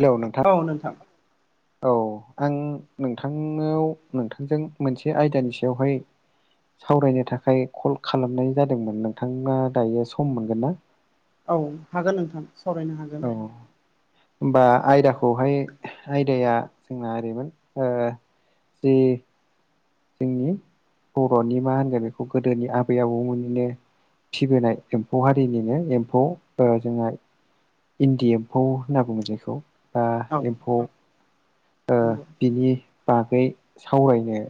hello नोंथां औ आं नोंथां नोंथांजों मोनसे आयदानि सायावहाय सावरायनो थाखाय कल खालामनाय जादोंमोन नोंथाङा दायो सम मोनगोन ना औ हागोन नोंथां सावरायनो हागोन औ बा आयदाखौहाय आयदाया जोंना ओरैमोन जि जोंनि बर'नि मा होनगोन बेखौ गोदोनि आबै आबौमोननिनो फिबोनाय एम्फौ हारिनिनो एम्फौ जोंहा इन्दि एम्फौ होनना बुङो जेखौ बा औ एम्फौ नंगौ बिनि बागै सावरायनो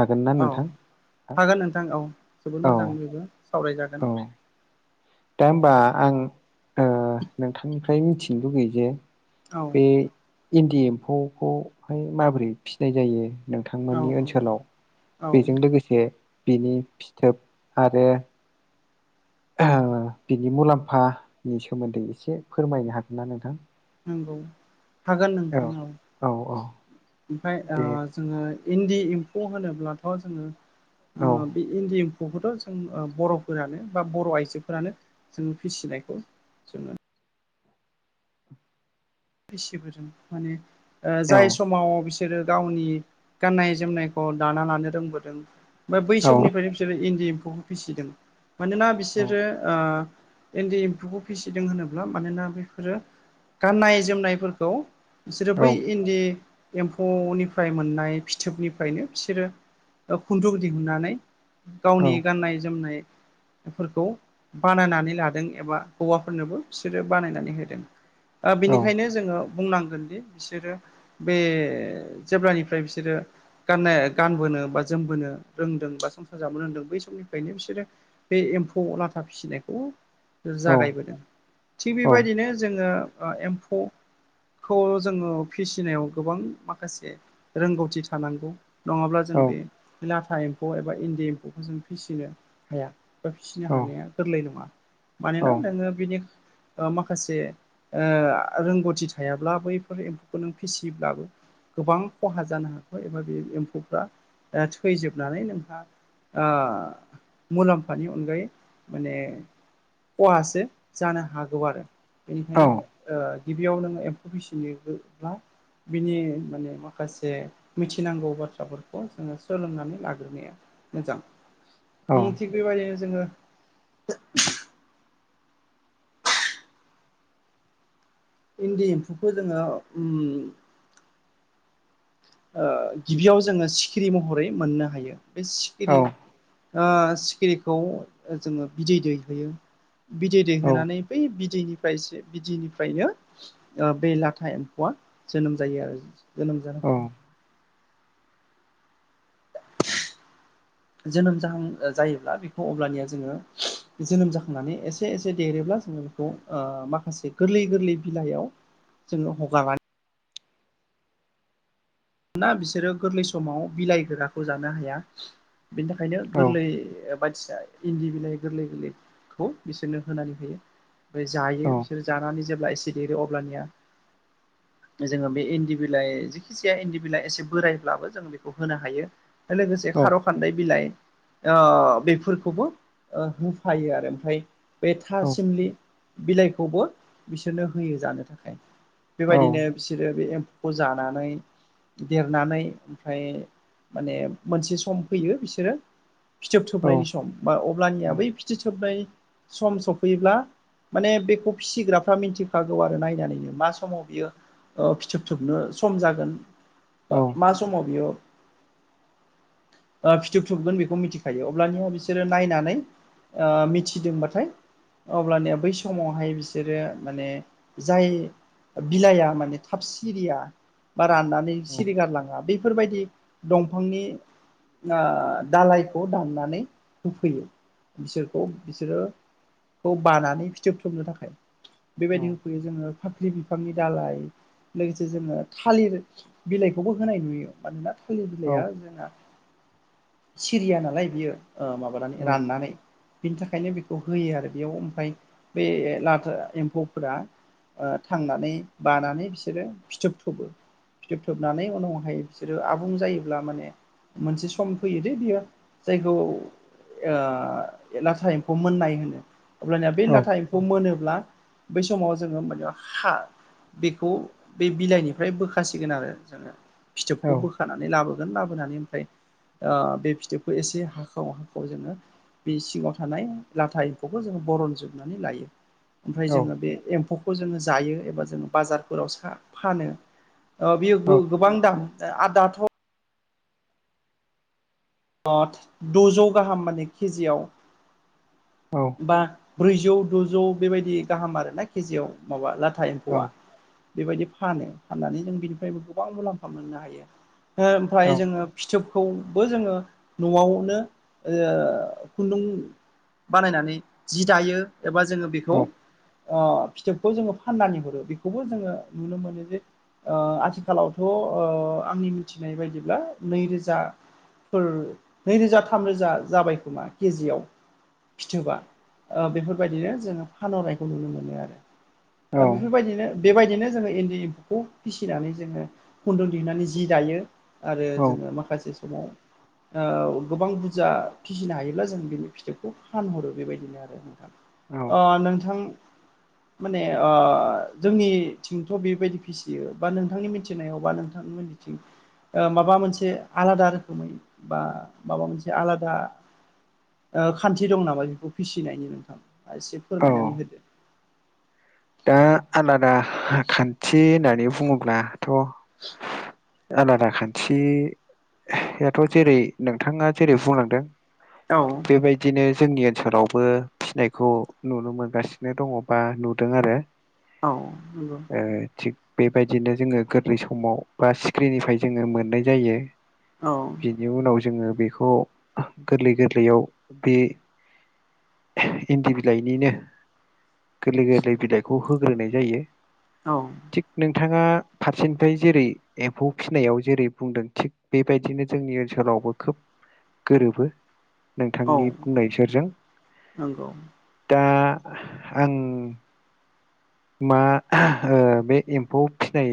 हागोन ना औ नोंथां हागोन नोंथां औ जोबोद औ मोजां बयबो सावरायजागोन औ दा हबा आं नोंथांनिफ्राय मिथिनो लुगैयो जे औ बे इन्दि एम्फौखौहाय माबोरै फिसिनाय जायो औ नोंथांमोननि औ ओनसोलाव औ बेजों लोगोसे बिनि फिथोब आरो बिनि मुलाम्फानि सोमोन्दै एसे फोरमायनो हागोन ना नोंथां नंगौ हागोन औ नोंथां औ औ ओमफ्राय दे जोङो इन्दि एम्फौ होनोब्लाथ' जोङो औ बे इन्दि एम्फौखौथ' जों बर'फोरानो बा बर' आइजोफोरानो जों फिसिनायखौ जोङो फसिबोदों माने औ जाय समाव बिसोरो गावनि गाननाय जोमनायखौ दाना लानो रोंबोदों बा बै औ समनिफ्रायनो बिसोरो इन्दि एम्फौखौ फिसिदों मानोना औ बिसोरो इन्दि एम्फौखौ फिसिदों होनोब्ला मानोना बेफोरो गाननाय जोमनायफोरखौ बिसोरो औ बै इन्दि एम्फौनिफ्राय मोननाय फिथोबनिफ्रायनो बिसोरो खुन्दुं दिहुनन्नानै औ गावनि गाननाय जोमनाय फोरखौ बानायनानै लादों एबा हौवाफोरनोबो बिसोरो बानायनानै होदों औ बेखायनो जोङो बुंनांगोनदि बिसोरो बे जेब्लानिफ्राय बिसोरो गाननाय गानबोनो बा जोमबोनो रोंदों बा संसार जाबोनो रोंदों बै समनिफ्रायनो बिसोरो बे एम्फौ अ लाथा फिसिनायखौ जागायबोदों थिग औ बेबायदिनो जोङो एम्फौ खौ जोङो फिसिनायाव गोबां माखासे रोंगौथि थानांगौ नङाब्ला जों बे लाथा एम्फौ एबा इन्दि एम्फौखौ जों फिसिनो हाया बा फिसिनो औ हानाया गोरलै नङा औ मानोना नोङो बिनि माखासे रोंगौथि थायाब्ला बैफोर एम्फौखौ नों फिसियोब्लाबो गोबां खहा जानो हागौ एबा बे एम्फौफ्रा थैजोबनानै नोंहा मुलाम्फानि अनगायै माने खहासो जानो हागौ आरो औ बेनिखायनो गिबियाव नोङो एम्फौ फिसिनोब्ला बिनि माने माखासे मिथिनांगौ बाथ्राफोरखौ जोङो सोलोंनानै लाग्रोनाया मोजां थिग बेबायदिनो जोङो इन्दि एम्फौखौ जोङो गिबियाव जोङो सिखिरि महरै मोननो हायो बे सिखिरि सिखिरिखौ जोङो बिदै दै होयो बिदै दै होनानै बै बिदैनिफ्रायसो बिदैनिफ्रायनो बे लाथा एम्फौआ जोनोम जायो आरो जोनोम जानाय औ जोनोम जाहां जायोब्ला बेखौ अब्लानिया जोङो जोनोम जाखांनानै एसे एसे देरोब्ला जोङो बेखौ माखासे गोरलै गोरलै बिलाइयाव जों हगा मोना बिसोरो गोरलै समाव बिलाइ गोराखौ जानो हाया बिनि थाखायनो गोरलै बायदिसिना इन्दि बिलाइ गोरलै गोरलैखौ बिसोरनो होनानै होयो ओमफ्राय जायो बिसोर जानानै जेब्ला एसे देरो अब्लानिया जोङो बे इन्दि बिलाइ जायखि जाया एसे बोरायब्लाबो जों बेखौ होनो हायो लोगोसे खार फान्दाय बिलाइ बेफोरखौबो होफायो आरो ओमफ्राय बे था सिमलि बिलाइखौबो बिसोरनो होयो जानो थाखाय बेबायदिनो बिसोरो बे एम्फौखौ जानानै देरनानै ओमफ्राय माने मोनसे सम फैयो बिसोरो फिथोब थोबनायनि सम बा अब्लानिया बै फिथोब थोबनाय सम सफैयोब्ला माने बेखौ फिसिग्राफ्रा मिथिखागौ आरो नायनानैनो मा समाव बियो फिथोब थोबनो सम जागोन मा समाव बेयो फिथोब थोबगोन बेखौ मिथिखायो अब्लानिया बिसोरो नायनानै ओ मिथिदोंबाथाय अब्लानिया बै समावहाय बिसोरो माने जाय बिलाइआ माने थाब सिरिया बा राननानै सिरि गारलाङा बेफोरबायदि दंफांनि दालायखौ दाननानै होफैयो बिसोरखौ बिसोरो खौ बानानै फिथोब थोबनो थाखाय बेबायदि होफैयो जोङो फाख्रि बिफांनि दालाय लोगोसे जोङो थालिर बिलाइखौबो होनाय नुयो मानोना थालिर बिलाइआ जोंना सिरिया नालाय बियो माबानानै राननानै बिनि थाखायनो बेखौ होयो आरो बेयाव ओमफ्राय बे लाथा एम्फौफोरा ओ थांनानै बानानै बिसोरो फिथोब थोबो फिथोबथोबनानै उनावहायो बिसोरो आबुं जायोब्ला माने मोनसे सम फैयो दे बियो जायखौ ओ लाथा एम्फौ मोननाय होनो अब्लानिया बे लाथा एम्फौ मोनोब्ला बै समाव जोङो ओमबानिआ हा बेखौ बे बिलाइनिफ्राय बोखासिगोन आरो जोङो फिथोबखौ औ बोखानानै लाबोगोन लाबोनानै ओमफ्राय ओ बे फिथोबखौ एसे हाखाव हाखाव जोङो बे सिङाव थानाय लाथा एम्फौखौ जोंङो बरनजोबनानै लायो ओमफ्राय औ जोङो बे एम्फौखौ जोङो जायो एबा जोङो बाजारफोराव सा फानो ओ बियो गो- गोबां दा आ दाथ' दजौ गाहाम माने केजियाव औ बा ब्रैजौ दजौ बेबायदि गाहाम आरोना केजियाव माबा लाथा एम्फौआ औ बेबायदि फानो फाननानै जों बिनिफ्रायबो गोबां मुलाम्फा मोननो हायो ओमफ्राय जोङो फिथोबखौबो जोङो न'आवनो ओ खुन्दुं बानायनानै जि दायो एबा जोङो बेखौ अ फिथोबखौ जोङो फाननानै हरो बेखौबो जोङो नुनो मोनो जे ओ आथिखालावथ आंनि मिथिनाय बायदिब्ला नैरोजा फोर नैरोजा थामरोजा जाबाय खोमा केजियाव फिथोबा ओ बेफोरबायदिनो जोङो फानहनायखौ नुनो मोनो आरो दा बेफोरबायदिनो बेबायदिनो जोङो इन्दि एम्फौखौ फिसिनानै जोङो खुन्दुं दिहुननानै जि दायो आरो जोङो माखासे समाव ओ गोबां बुरजा फिसिनो हायोब्ला जों बिनि फिथोबखौ फानहरो बेबायदिनो आरो अ नोंथां माने जोंनिथिंथ बेबायदि फिसियो बा नोंथांनि मिथिनायाव बा नोंथां नोंथांमोननिथिं माबा मोनसे आलादा रोखोमै बा माबा मोनसे आलादा ओ खान्थि दं नामा बेखौ फिसिनायनि नोंथां एसे फोरमायनानै होदो दा आलादा खान्थि होननानै बुङोब्लाथ आलादा खान्थि दाथ जेरै नोंथाङा जेरै बुंलांदों औ बेबायदिनो जोंनि ओनसोलावबो फिसिनायखौ नुनो मोनगासिनो दङ बा नु दों आरो औ नंगौ ओ थिग बेबायदिनो जोङो गोरलै समाव बा सिक्रिनिफ्राय जोङो मोननाय जायो औ बिनि उनाव जोङो बेखौ गोरलै गोरलैयाव बे इन्दि बिलाइनिनो गोरलै बिलायखौ होग्रोनाय जायो औ थिग नोंथाङा फारसेनिफ्राय जेरै एम्फौ फिसिनायाव जेरै बुंदों थिग बेबायदिनो जोंनि ओनसोलावबो खोब गोरोबो औ नोंथांनि बुंनाय फोरजों नंगौ दा आं मा ओ बे एम्फौ फिनाय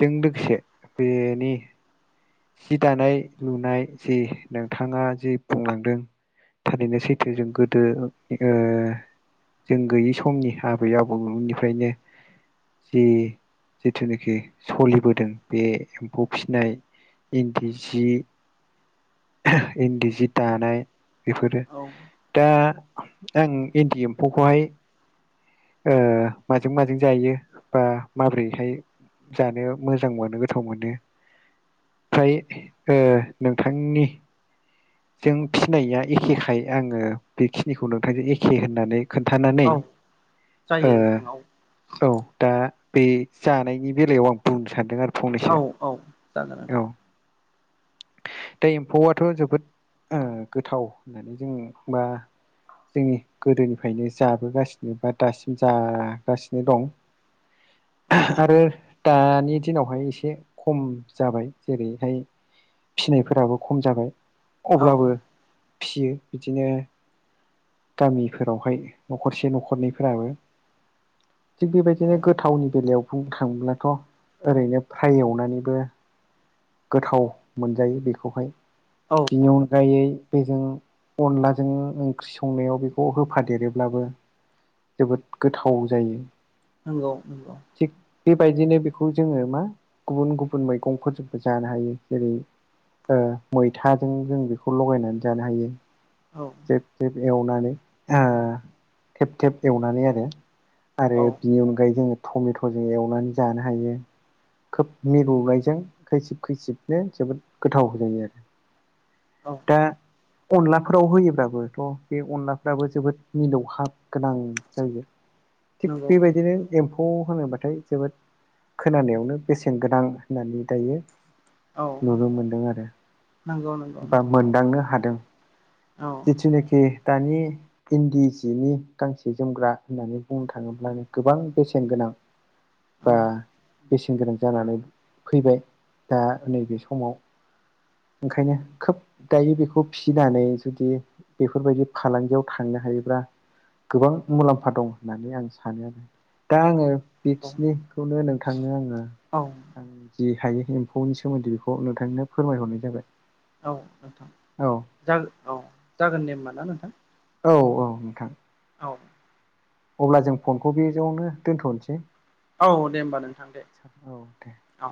जों लोगोसे बेनि जि दानाय लुनाय जि नोंथाङा जि बुंलांदों थारैनो सैथो जों गोदो ओ जों गैयै समनि आबै आबौमोननिफ्रायनो जि जिथुनाखि सलिबोदों बे एम्फौ फिसिनाय इन्दि जि इन्दि जि दानाय बेफोरो औ दा आं इन्दि एम्फौखौहाय माजों माजों जायो बा माबोरैहाय जानो मोजां मोनो गोथाव मोनो फ्राय नोंथांनि जों फिनाया एखेखाय आङो बेखिनिखौ नोंथांजों एखे होननानै खोन्थानानै औ जायो नोंथां औ औ दा बे जानायनि बेलायाव आं बुंनो सानदों आरो औ फंनैसो औ जागोन नोंथां औ दै एम्फौआथ जोबोद ओ गोथाव होननानै जों मा जोंनि गोदोनिफ्रायनो जाबोगासिनो एबा दासिम जागासिनो दं औ आरो दानि दिनावहाय एसे खम जाबाय जेरैहाय फिनायफोराबो खम जाबाय औ अब्लाबो फियो बिदिनो गामिफोरावहाय न'खरसे न'ख खरनैफोराबो थिग औ बेबायदिनो गोथावनि बेलायाव बुंनो थाङोब्लाथ ओरैनो फ्राय एवनानैबो गोथाव मोनजायो बेखौहाय औ बेनि अनगायै बेजों अनलाजों ओंख्रि संनायाव बेखौ होफादेरोब्लाबो जोबोद गोथाव जायो नंगौ नंगौ थिग बेबायदिनो बेखौ जोङो मा गुबुन गुबुन मैगंफोरजोंबो जानो हायो जेरै मैथाजों जों बेखौ लगायनानै जानो हायो औ जेब जेब एवनानै थेब थेब एवनानै आरो आरो औ बिनि अनगायै जोङो टमेटजों एवनानै जानो हायो खोब मिलौनायजों खैसिब खैसिबनो जोबोद गोथाव जायो आरो औ दा अनलाफोराव होयोब्लााबोथ बे अनलाफ्राबो जोबोद मिलौहाब गोनां जायो थिग नंगौ बेबायदिनो ए मफौ होनोबाथाय जोबोद खोनानायावनो बेसेन गोनां होननानै दायो औ नुनो मोन्दों आरो नंगौ नंगौ बा नोंथां मोनदांनो हादों औ जिथुनाखि दानि इन्दि सिनि गांसे जोमग्रा होननानै बुंनो थाङोब्ला जों गोबां बेसेनगोनां औ बेसेन गोनां जानानै फैबाय दा नैबे समाव ओंखायनो खोब दायो बेखौ फिसिनानै जुदि बेफोरबायदि फालांगियाव थांनो हायोब्ला गोबां मुलाम्फा दं होननानै आं सानो आरो दा आङो नंगौ बेखिनिखौनो नोंथांनो आङो औ आं जि हायो एम्फौनि सोमोन्दै बेखौ नोंथांनो फोरमायहरनाय जाबाय औ नोंथां औ जागो औ जागोन दे होमबा ना नोंथां औ औ नोंथां औ अब्ला जों फनखौ बेयावनो दोन्थनोसै औ दे होमबा नोंथां दे औ दे औ